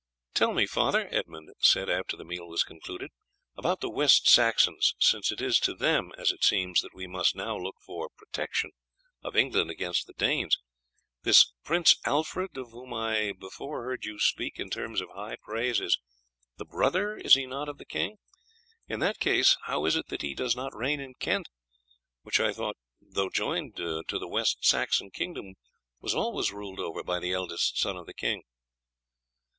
"Tell me, father," Edmund said after the meal was concluded, "about the West Saxons, since it is to them, as it seems, that we must look for the protection of England against the Danes. This Prince Alfred, of whom I before heard you speak in terms of high praise, is the brother, is he not, of the king? In that case how is it that he does not reign in Kent, which I thought, though joined to the West Saxon kingdom, was always ruled over by the eldest son of the king."